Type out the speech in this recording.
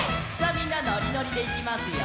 みんなのりのりでいきますよ！